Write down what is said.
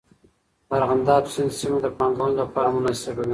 د ارغنداب سیند سیمه د پانګونې لپاره مناسبه ده.